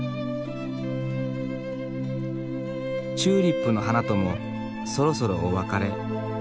チューリップの花ともそろそろお別れ。